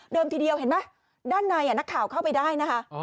ทีเดียวเห็นไหมด้านในนักข่าวเข้าไปได้นะคะ